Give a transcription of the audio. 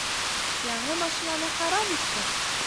Яңы машинаны харап иткән!